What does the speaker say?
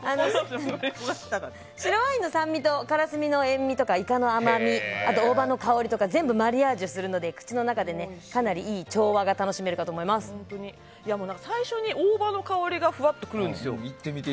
白ワインの酸味とからすみの塩みイカの甘み、大葉の香りとか全部マリアージュするので口の中で、かなりいい調和が最初に大葉の香りがふわっと来るんですよ。